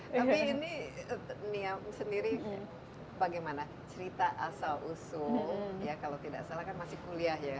tapi ini niam sendiri bagaimana cerita asal usul ya kalau tidak salah kan masih kuliah ya